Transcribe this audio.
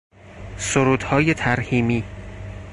سرودهای ترحیمی